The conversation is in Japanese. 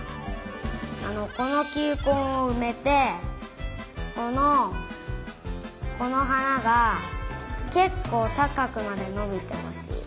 このきゅうこんをうめてこのこのはながけっこうたかくまでのびてほしい。